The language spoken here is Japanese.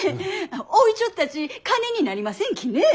置いちょったち金になりませんきね！